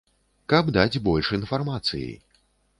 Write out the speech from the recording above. Каб даць больш інфармацыі.